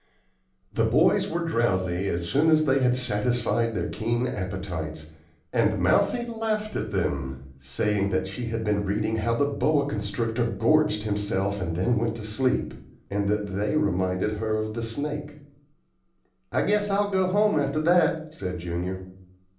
The boys were drowsy as soon as they had satisfied their keen appetites, and Mousie laughed at them, saying that she had been reading how the boa constrictor gorged himself and then went to sleep, and that they reminded her of the snake. "I guess I'll go home after that," said Junior.